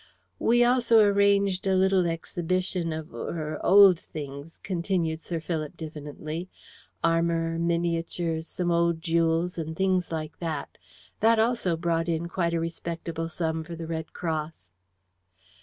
"We also arranged a little exhibition of er old things," continued Sir Philip diffidently. "Armour, miniatures, some old jewels, and things like that. That also brought in quite a respectable sum for the Red Cross."